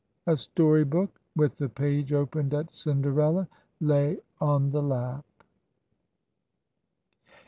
A story book, with the page opened at Cinderella, lay on the lap.